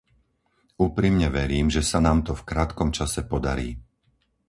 Úprimne verím, že sa nám to v krátkom čase podarí.